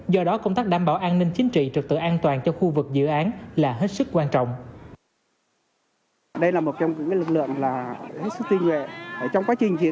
do đó công tác đảm bảo an ninh chính trị trực tự an toàn cho khu vực dự án là hết sức quan trọng